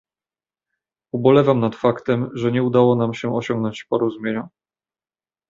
Ubolewam nad faktem, że nie udało nam się osiągnąć porozumienia